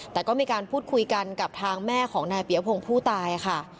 แต่ก็มีการพูดคุยกันกับทางแม่ของนายเปียพงศ์ผู้ตายค่ะ